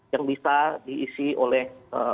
yang bisa diisi oleh